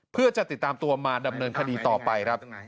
เพื่อจะติดตามตัวมาดำเนินคดีต่อไปครับ